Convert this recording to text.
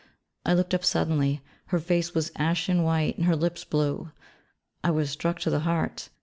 I looked up suddenly, her face was ashen white and her lips blue. I was struck to the heart.